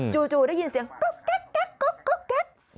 จู่ได้ยินเสียงก๊อกแก๊ก